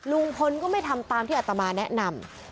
ลุงพลก็ไม่ทำตามที่อัตมาแนะนำ